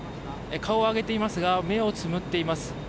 顔を上げていますが目をつむっています。